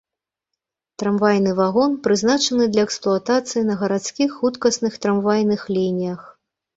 Трамвайны вагон прызначаны для эксплуатацыі на гарадскіх хуткасных трамвайных лініях.